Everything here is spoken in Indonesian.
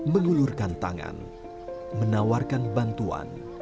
mengulurkan tangan menawarkan bantuan